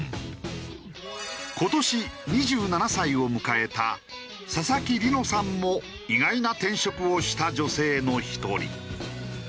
今年２７歳を迎えた佐々木梨乃さんも意外な転職をした女性の１人。